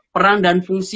peran dan fungsi